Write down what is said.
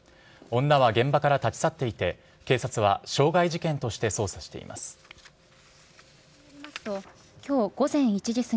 女は現場から立ち去っていて警察は傷害事件として捜査しています。